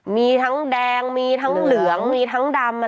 มีทั้งแดงตามีท้องเหลืองตามีทั้งดำตา